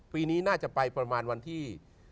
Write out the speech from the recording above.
ปีนี้น่าจะไปประมาณวันที่